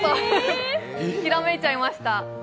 ひらめいちゃいました。